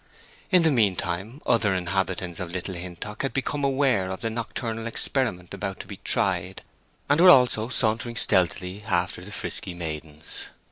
In the mean time other inhabitants of Little Hintock had become aware of the nocturnal experiment about to be tried, and were also sauntering stealthily after the frisky maidens.